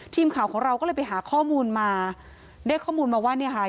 ทีมข่าวของเราก็เลยไปหาข้อมูลมาได้ข้อมูลมาว่าเนี่ยค่ะ